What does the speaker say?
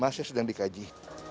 masih sedang dikaji